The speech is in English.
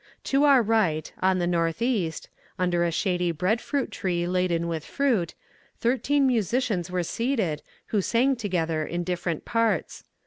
"To our right, on the north east, under a shady bread fruit tree laden with fruit, thirteen musicians were seated, who sang together in different parts.